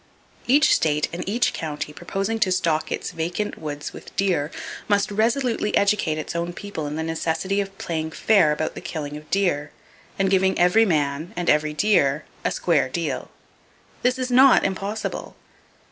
Each state and each county proposing to stock its vacant woods with deer must resolutely educate its own people in the necessity of playing fair about the killing of deer, and giving every man and every deer a square deal. This is not impossible!